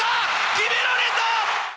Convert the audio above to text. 決められた！